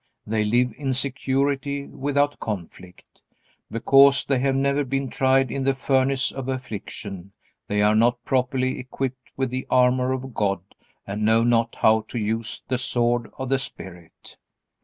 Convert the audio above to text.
They live in security without conflict. Because they have never been tried in the furnace of affliction they are not properly equipped with the armor of God and know not how to use the sword of the Spirit.